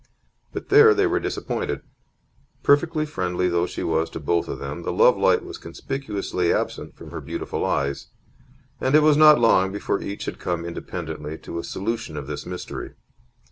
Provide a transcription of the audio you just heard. But there they were disappointed. Perfectly friendly though she was to both of them, the lovelight was conspicuously absent from her beautiful eyes. And it was not long before each had come independently to a solution of this mystery.